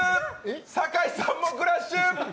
酒井さんもクラッシュ！